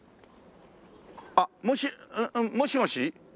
あっもしもし？